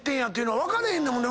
分かれへんねんもん！